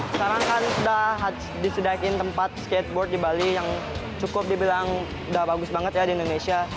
sekarang kan sudah disediakan tempat skateboard di bali yang cukup dibilang udah bagus banget ya di indonesia